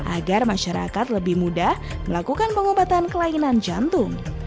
agar masyarakat lebih mudah melakukan pengobatan kelainan jantung